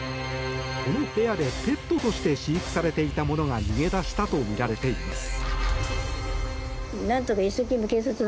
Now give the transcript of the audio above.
この部屋でペットとして飼育されていたものが逃げ出したとみられています。